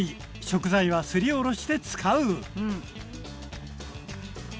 食材はすりおろして使う！